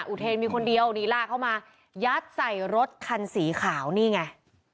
อุเทนมีคนเดียวนี่ลากเข้ามายัดใส่รถคันสีขาวนี่ไง